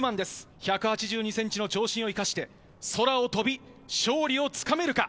１８２センチの長身を生かして、空を飛び、勝利をつかめるか。